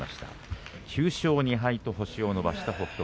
９勝２敗と星を伸ばしました。